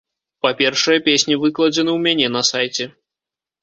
Па-першае, песні выкладзены ў мяне на сайце.